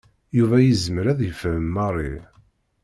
Yuba yezmer ad yefhem Mary.